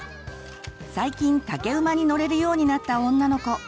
最近竹馬に乗れるようになった女の子。